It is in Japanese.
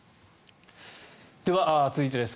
では、続いてです。